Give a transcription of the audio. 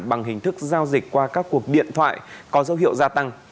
bằng hình thức giao dịch qua các cuộc điện thoại có dấu hiệu gia tăng